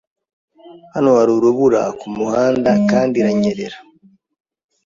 Hano hari urubura kumuhanda kandi iranyerera.